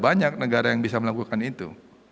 banyak negara yang bisa melakukan itu